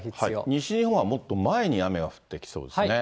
西日本はもっと前に雨が降ってきそうですね。